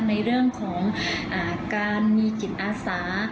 ในเรื่องของการมีจิตอาสา